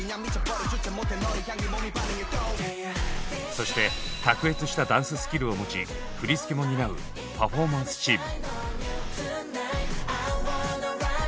そして卓越したダンススキルを持ち振り付けも担う「パフォーマンス」チーム。